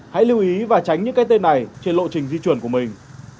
hãy lưu ý và tránh những cái tên này trên lộ trình di chuyển của mình